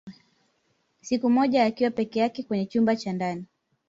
Siku moja akiwa peke yake kwenye chumba cha ndani